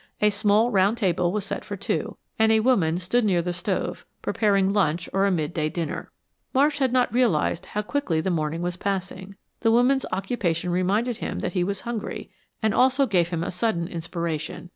A small, round table was set for two, and a woman stood near the stove, preparing lunch or a midday dinner. Marsh had not realized how quickly the morning was passing. The woman's occupation reminded him that he was hungry, and also gave him a sudden inspiration.